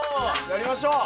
やりましょう！